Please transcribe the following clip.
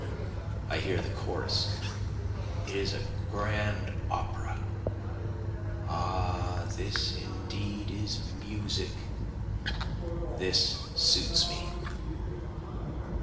I hear the chorus, it is a grand opera, Ah this indeed is music this suits me.